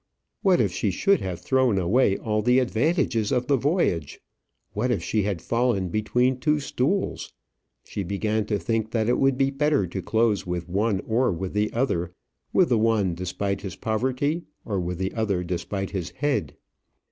What if she should have thrown away all the advantages of the voyage! What if she had fallen between two stools! She began to think that it would be better to close with one or with the other with the one despite his poverty, or with the other despite his head.